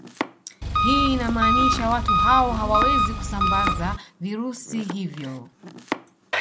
Hii inamaanisha watu hao hawawezi kusambaza virusi hivyo